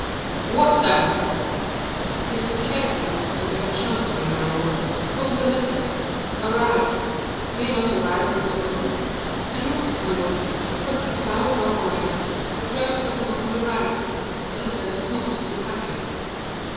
"What then?" "It is the carefulness of your chancery, my lord. What is a letter? A rag. May not a rag be forgotten? And look, my lord, look if I was not right. Your clerks have forgotten the rag; the letter is not in the packet."